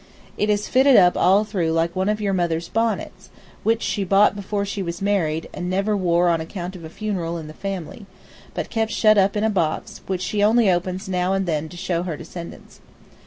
It is fitted up all through like one of your mother's bonnets, which she bought before she was married and never wore on account of a funeral in the family, but kept shut up in a box, which she only opens now and then to show to her descendants.